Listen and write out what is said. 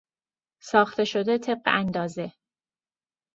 ساخته شده طبق اندازه